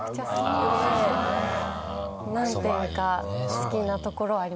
何ていうか好きなところあります。